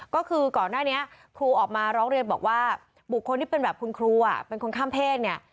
ก็คือก่อนหน้านี้ครูออกมาร้องเรียนบอกว่าบุคคลที่เป็นแบบคุณครูเป็นคนข้ามเพศเนี่ย